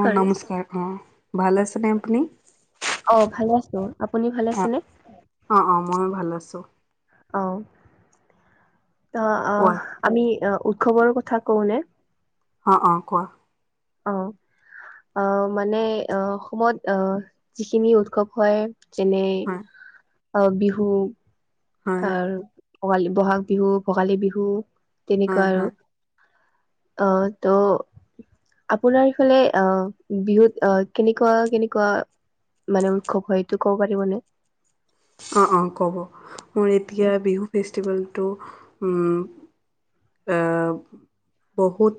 অ', নমস্কাৰ অ', ভাল আছেনে আপুনি? অ', ভালে আছো, আপুনি ভালে আছেনে? অঁ', অঁ', ময়ো ভাল আছোঁ। অ', অ', কোৱা আহ আমি উৎসৱৰ কথা কওঁনে? অঁ', অঁ', কোৱা। অ', আহ', মানে অসমত আহ যিখিনি উৎসৱ হয় যেনে হয় আহ', বিহু হয় আহ' ভোগালী, বহাগ বিহু, ভোগালী বিহু তেনেকুৱা হয় আৰু। হয় অ', ত' আপোনাৰ সেইফালে অ', বিহুত অ', কেনেকুৱা কেনেকুৱা মানে উৎসৱ হয় এইটো ক'ব পাৰিব নি? অঁ', অঁ', ক'ব, মোৰ এতিয়া বিহু ফেষ্টিভেলটো উম' আহ বহুত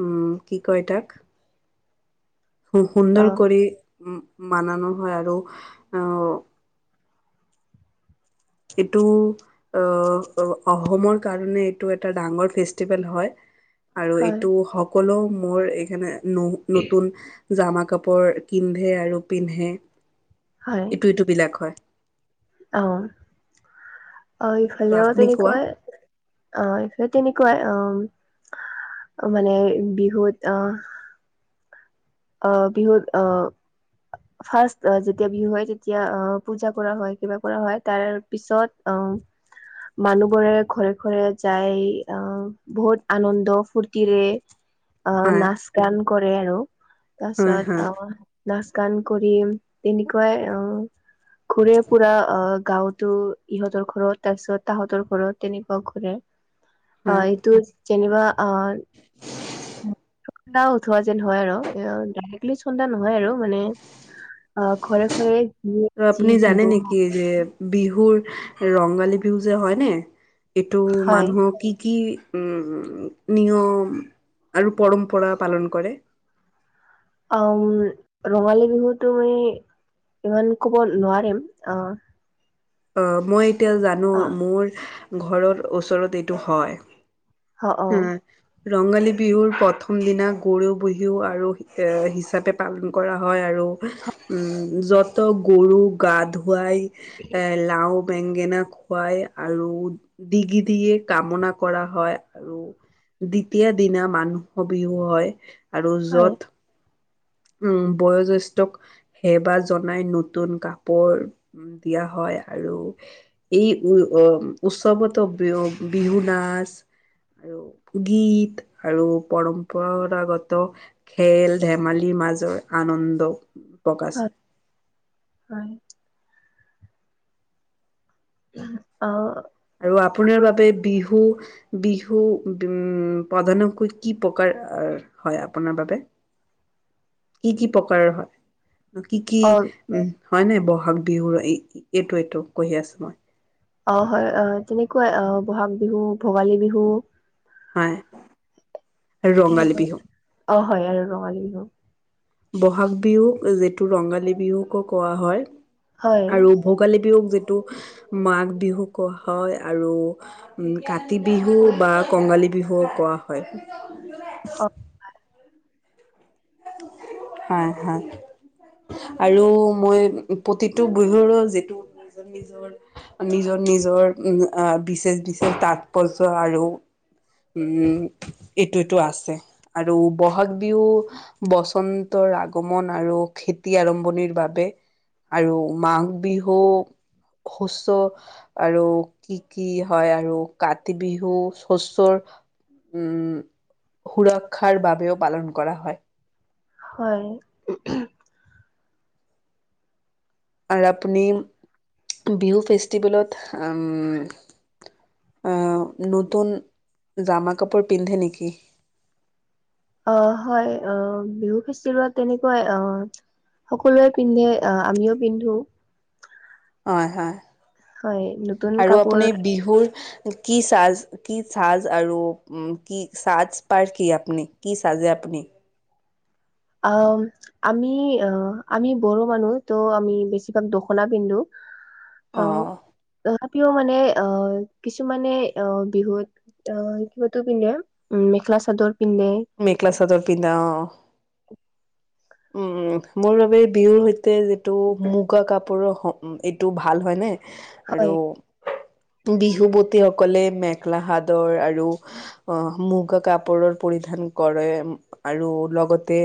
উম, কি কয় তাক। অ সু-সুন্দৰ কৰি বানানো হয় আৰু আহ এইটো আহ, অসমৰ কাৰণে এইটো এটা ডাঙৰ ফেষ্টিভেল হয়। আৰু হয় এইটো সকলো মোৰ এইখনে ন'-নতুন জামা কাপোৰ কিন্ধে আৰু পিন্ধে। হয়। [unintelligible] বিলাক হয়। অ'। অ' আৰু এইফালেও আপুনি কোৱা তেনেকুৱাই। অ' এইফালে তেনেকুৱাই অ' মানে বিহুত অ' অ' বিহুত আ ফাৰ্ষ্ট আ যেতিয়া বিহু হয় তেতিয়া আ পূজা কৰা হয় কিবা কৰা হয়। তাৰেপিছত অ'। মানুহবোৰে ঘৰে ঘৰে যাই আ বহুত আনন্দ-ফূৰ্তিৰে। আ, হয় নাচ-গান কৰে আৰু। তাৰ হয় হয় পিছত আহ, নাচ-গান কৰি তেনেকুৱাই অ' ঘূৰে-ফুৰা আ গাঁওতো ইহঁতৰ ঘৰত তাৰ পিছত তাহতৰ ঘৰত তেনেকুৱা ঘূৰে। অ' হয়। এইটোত যেনিবা আ [unintelligible] উঠোৱা যেন হয় আৰু। এয়া ডাইৰেক্টলি চন্দা নহয় আৰু মানে আ ঘৰে ঘৰে যি ত' যি আপুনি দিব জানে নেকি, যে বিহুৰ ৰঙালী বিহু যে হয়নে এইটো হয় মানুহ কি কি উম উম, নিয়ম আৰু পৰম্পৰা পালন কৰে। অওম, ৰঙালী বিহুতো মই ইমান ক'ব নোৱাৰিম। আ অ' মই এতিয়া জানো আহ মোৰ ঘৰত ওচৰত এইটো হয়। অ অ উম। ৰঙালী বিহুৰ প্ৰথম দিনা গৰু বিহু আৰু আ হিচাপে পালন কৰা হয় আৰু। উম, য'ত গৰু গা-ধোঁৱাই। লাউ, বেঙেনা খুৱাই আৰু দিগি দিয়ে কামনা কৰা হয়। আৰু দ্বিতীয়া দিনা মানুহ বিহু হয়, আৰু হয় য'ত উম, বয়জেষ্ঠক সেবা জনাই, নতুন কাপোৰ উম, দিয়া হয় আৰু [unintelligible] উৎসৱটো বিহু নাচ। আৰু গীত আৰু পৰম্পৰাগত খেল-ধেমালি, লি মাজৰ আনন্দ। প্ৰকাশ হয় [unintelligible] [unintelligible] অ'। আৰু আপোনাৰ বাবে বিহু। বিহু উম, প্ৰধানকৈ কি প্ৰকাৰ আ হয় আপোনাৰ বাবে, কি কি প্ৰকাৰৰ হয়? কি কি অ উম, হয়নে বহাগ বিহুৰ এ এইটো এইটো কৈ আছো মই। অ' হয় আহ, তুমি কোৱা আ বহাগ বিহু ভোগালী বিহু। হয়। ৰঙালী সেইবোৰ বিহু অ' হয় আৰু ৰঙালী বিহু। বহাগ বিহুক যিটো ৰঙালী বিহুকো কোৱা হয় হয় আৰু ভোগালী বিহুক যিটো মাঘ বিহুক কোৱা হয় আৰু উম, কাতি বিহু বা কঙালী বিহু কোৱা হয়। অ। হয়, হয়। আৰু মই প্ৰতিটো বিহুৰো যিটো নিজৰ নিজৰ উম হ আ বিচেষ বিচেষ তাৎপৰ্য আৰু উম, এটো এটো আছে আৰু বহাগ বিহু বচন্তৰ আগমন আৰু খেতি আৰম্ভণিৰ বাবে আৰু মাঘ বিহু সুছ' আৰু কি কি হয় আৰু কাতি বিহু শশৰ উম, সুৰক্ষাৰ বাবেও পালন কৰা হয়। হয়। আৰু আপুনি বিহু ফেষ্টিভেলত উম আ, নতুন জামা কাপোৰ পিন্ধে নেকি? অ', হয় আ বিহু ফেষ্টিভেলত তেনেকুৱাই অ' সকলোৱে পিন্ধে আহ আমিও পিন্ধো। হয় হয়, হয় নতুন আৰু কাপোৰ আপুনি বিহুৰ কি চাজ কি চাজ আৰু কি সাজ পাৰ কি আপুনি কি চাজে আপুনি? অ আমি অ আমি বড়ো মানুহ ত' আমি বেছিভাগ দখনা পিন্ধো। অ তথাপিও মানে আহ কিছুমানে অ বিহুত অ কিবাতো পিন্ধে উম মেখেলা চাদৰ পিন্ধে। মেকেলা চাদৰ পিন্ধা অ। উম, মোৰ বাবে বিহুৰ সৈতে যিটো মুগা কাপোৰৰ এইটো ভাল হয় নে? আৰু হয় বিহু বতিসকলে মেখেলা হাদৰ আৰু অ মুগা কাপোৰৰ পৰিধান কৰে আৰু লগতে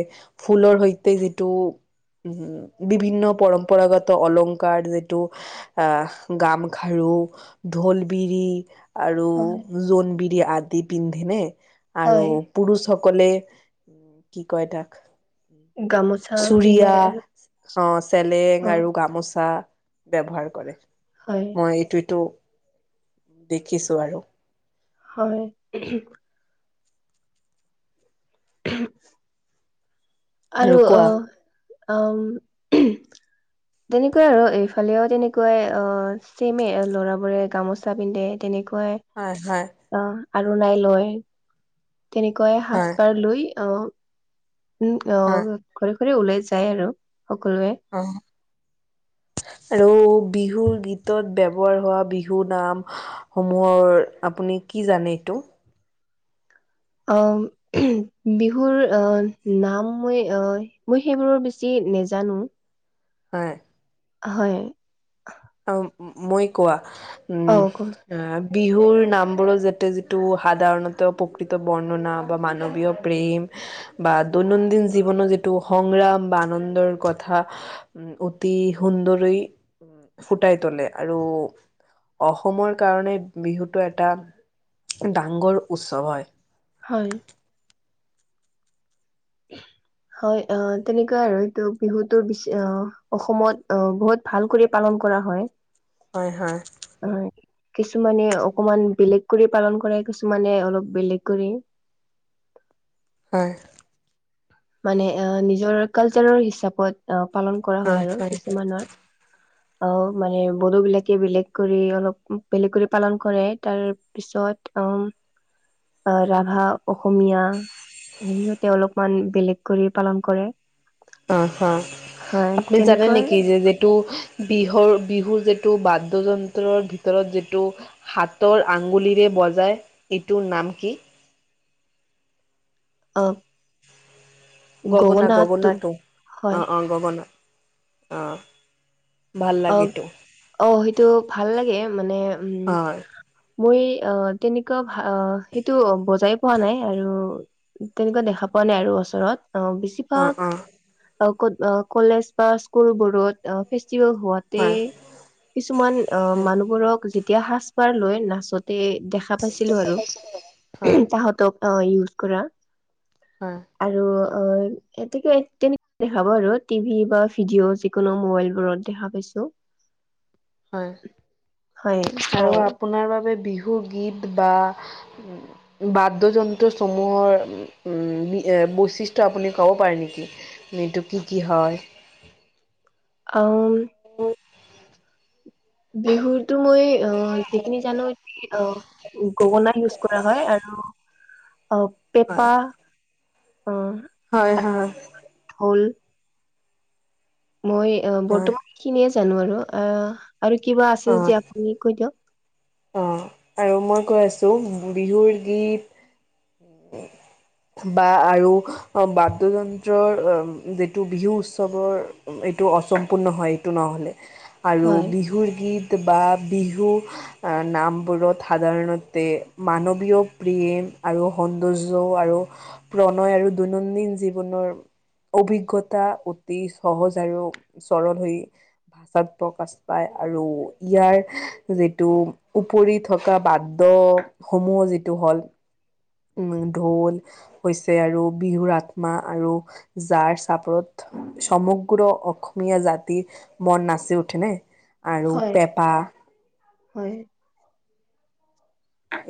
ফুলৰ সৈতে যিটো উ, বিভিন্ন পৰম্পৰাগত অলংকাৰ যিটো আহ, গামখাৰু ঢোলবিৰি আৰু হয় জোনবিৰি আদি পিন্ধেনে আৰু হয় পুৰুষসকলে কি কয় তাক গামোচা পিন্ধে আৰু চুৰিয়া অ অ চেলেং আৰু গামোচা ব্যৱহাৰ কৰে। হয়। মই এইটো এইটো দেখিছো আৰু। হয়। [unintelligible] আৰু অ, ওম তেনেকুৱাই আৰু এইফালেও তেনেকুৱাই অ চেমে ল'ৰাবোৰে গামোচা পিন্ধে তেনেকুৱাই। হয়, হয়। অ, আৰুনাই লয় তেনেকুৱাই সাজ হয় পাৰ লৈ অ উম, অ, হয় ঘৰে-ঘৰে ওলাই যায় আৰু সকলোৱে। অ। আৰু বিহুৰ গীতত ব্যৱহাৰ হোৱা বিহু নাম- সমূহৰ আপুনি কি জানে এইটো? অ, বিহুৰ আহ নাম মই অ মই সেইবোৰৰ বেছি নেজানো। হয়, হয়, অ, মই কোৱা অ উম, ক- অ, বিহুৰ নামবোৰো যাতে যিটো সাধাৰণতে প্ৰকৃত বৰ্ণনা বা মানৱীয়- প্ৰেম বা দৈনন্দিন জীৱনৰ যিটো সংগ্ৰাম বা আনন্দৰ কথা- অতি সুন্দৰেই- ফুটাই তুলে আৰু অসমৰ কাৰণে বিহুটো এটা- ডাংগৰ উৎসৱ হয়। হয়, উ, হয়, অ, তেনেকুৱা আৰু এইটো বিহুটো বেছি অ অসমত অ বহুত ভাল কৰি পালন কৰা হয়। [inaudible] হয়, হয়, হয়, কিছুমানে অকমান বেলেগ কৰি পালন কৰে কিছুমানে অলপ বেলেগ কৰি। হয়, মানে এ, নিজৰৰ কালচাৰৰ হিচাপত আহ পালন কৰা হয় আৰু কিছুমানত- অ, মানে বড়ো বিলাকে বেলেগ কৰি অলপ বেলেগ কৰি পালন কৰে তাৰ পিছত- অ ৰাভা, অসমীয়া সিহঁতে অলপমান- বেলেগ কৰি পালন কৰে। অ হা হয় আপুনি জানে তেনেকৈ নেকি যে যিটো- বিহুৰ বিহুৰ যিটো বাদ্যযন্ত্ৰৰ ভিতৰত যিটো- হাতৰ আগুলিৰে বজাই এইটোৰ নাম কি? অঁ গগনা গগনাটো হয় অঁ অঁ গগনা অঁ অ অ সেইটো ভাল মানে উম হয় - তেনেকুৱা ভা সেইটো বজাই- পোৱা নাই আৰু তেনেকুৱা দেখা পোৱা নাই আৰু ওচৰত অ অ অ বেছিভাগ- কলেজ বা স্কুল বৰ্তমান ফেষ্টিভেল হয় হোৱাতে- কিছুমান অ হয় মানুহবোৰক যেতিয়া সাজ পাৰ লৈ নাচতে দেখা- পাইছিলো আৰু হয় তাহতক ইউজ কৰা। আ আৰু অ এতেকে কেনেকে দেখাব আৰু টিভি বা ভিডিঅ' যিকোনো মোবাইল বোৰত- দেখা পাইছো। হয়। হয় আৰু আপোনাৰ বাবে বিহু গীত বা- বাদ্যযন্ত্ৰ সমূহৰ- উম এ বৈচিষ্ট্য আপুনি ক'ব পাৰে নেকি এইটো কি কি হয়? আ'ম ম বিহুতো এই অ যিখিনি জানো অ- গগনা ইউজ কৰা হয় আৰু অ হয় পেপা- অ হয় হয়। হ'ল মই অ হয় বৰ্তমান এখিনিয়ে জানো আৰু আ আৰু কিবা আছে অ যদি আপুনি কৈ দিয়ক? অ আৰু মই কৈ আছো বিহুৰ গীত [unintelligible] বা আৰু বাদ্যযন্ত্ৰৰ যিটো বিহু উৎসৱৰ এইটো অচপূৰ্ণ হয় এইটো নহ'লে আৰু হয় বিহুৰ গীত বা বিহু আ নামবোৰত সাধাৰণতে মানৱীয় প্ৰেম আৰু সৌন্দৰ্য আৰু প্ৰণয় আৰু দৈনন্দিন জীৱনৰ অভিজ্ঞতা অতি সহজ আৰু চৰল হৈ ষাত প্ৰকাশ পায় আৰু ইয়াৰ যিটো উপৰিত থকা বাদ্যসমূহ যিটো হ'ল। উ ঢোল হৈছে আৰু বিহুৰ আত্মা আৰু যাৰ চাপৰত সমগ্ৰ অসমীয়া জাতি মন নাচি উঠেনে আৰু হয় পেঁপা হয়।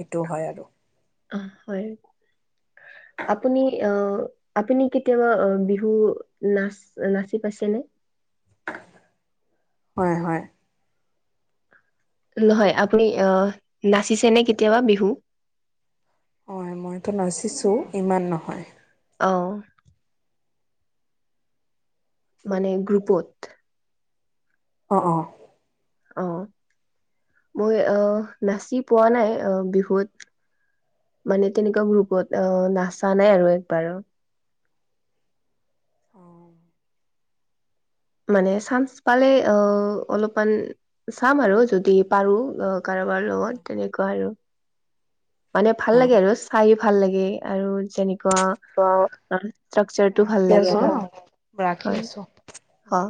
এইটোও হয় আৰু। অ হয়। আপুনি অ আপুনি কেতিয়াবা অ বিহু নাচ নাচি পাইছে নে? হয় হয়। নহয় আপুনি অ নাচিছে নে কেতিয়াবা বিহু? হয় মইতো নাচিছো ইমান নহয়। অ। মানে গ্ৰুপত। অ অ। অ মই অহ নাচি পোৱা নাই অহ বিহুত। মানে তেনেকুৱা গ্ৰুপত অ নাচা নাই আৰু একবাৰো। মানে চান্স পালে অ অলপমান চাম আৰু যদি পাৰো কাৰোবাৰ লগত তেনেকুৱা আৰু। মানে ভাল অ লাগে আৰু চাই ভাল লাগে আৰু যেনেকুৱা। [unintelligible] ভাল ৰাখি লাগে আছো আৰু, হা হয়, হ।